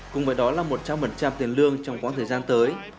cùng với đó là một trăm linh tiền lương trong quãng thời gian tới